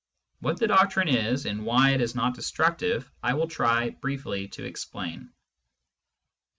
What the doctrine is, and why it is not destructive, I will try briefly to explain.